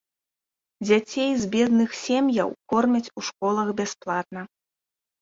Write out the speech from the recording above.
Дзяцей з бедных сем'яў кормяць у школах бясплатна.